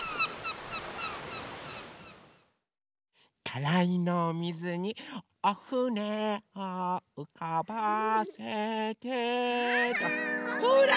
たらいのおみずに「おふねをうかばせて」ほら！